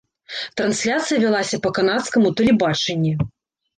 Трансляцыя вялася па канадскаму тэлебачанні.